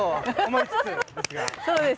そうです。